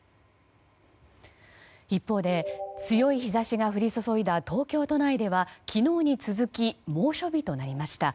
一方で強い日差しが降り注いだ東京都内では昨日に続き猛暑日となりました。